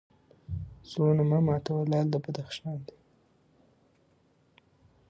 زړونه مه ماتوه لعل د بدخشان دی